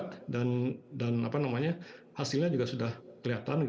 dan hasilnya juga sudah kelihatan